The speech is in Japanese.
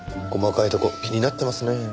細かいとこ気になってますね。